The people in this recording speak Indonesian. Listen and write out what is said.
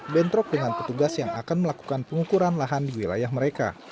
bentrok dengan petugas yang akan melakukan pengukuran lahan di wilayah mereka